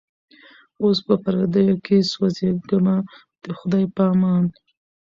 اوس په پردیو کي سوځېږمه د خدای په امان